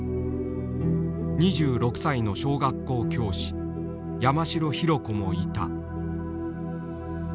２６歳の小学校教師山城ヒロ子もいた。